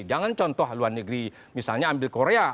jangan contoh luar negeri misalnya ambil korea